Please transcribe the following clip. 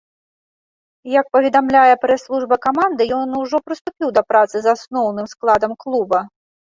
Як паведамляе прэс-служба каманды, ён ужо прыступіў да працы з асноўным складам клуба.